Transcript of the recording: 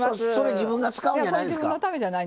自分が使うんやないですか？